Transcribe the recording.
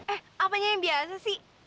eh apanya yang biasa sih